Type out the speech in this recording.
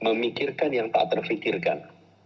memikirkan yang tidak terpikirkan